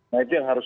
nah itu yang harus